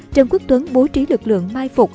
trần quốc tuấn bố trí lực lượng mai phục